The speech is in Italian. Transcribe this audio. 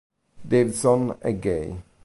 Davidson è gay.